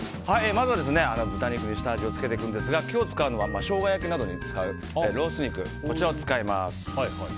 まず、豚肉に下味をつけていくんですが今日使うのはショウガ焼きなどに使うロース肉を使います。